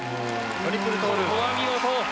トリプルトーループ。